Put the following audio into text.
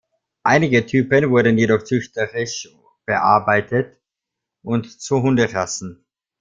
Einige Typen wurden jedoch züchterisch bearbeitet und zu Hunderassen.